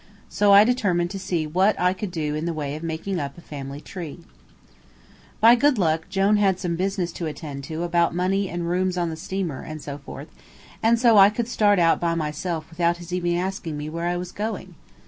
So I determined to see what I could do in the way of making up a family tree. By good luck, Jone had some business to attend to about money and rooms on the steamer, and so forth, and so I could start out by myself without his even asking me where I was going.